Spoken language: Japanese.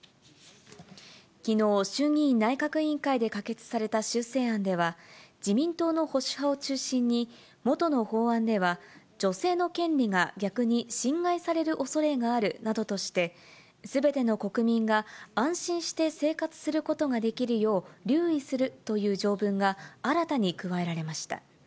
きのう、衆議院内閣委員会で可決された修正案では、自民党の保守派を中心に、もとの法案では女性の権利が逆に侵害されるおそれがあるなどとして、すべての国民が安心して生活することができるよう留意するという条文が新たに加えられました。